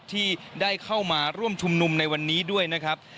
ที่ได้เข้ามาร่วมชุมนุมในวันนี้ด้วยนะครับ